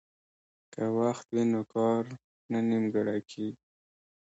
که وخت وي نو کار نه نیمګړی کیږي.